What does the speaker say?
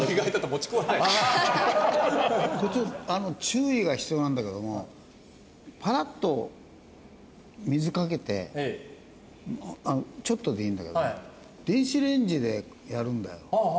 注意が必要なんだけどもパラッと水かけてちょっとでいいんだけど電子レンジでやるんだよ。